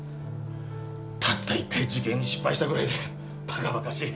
たった一回受験に失敗したぐらいでバカバカしい。